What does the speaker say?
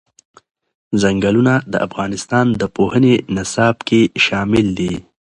ځنګلونه د افغانستان د پوهنې نصاب کې شامل دي.